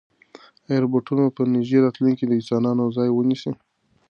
ایا روبوټونه به په نږدې راتلونکي کې د انسانانو ځای ونیسي؟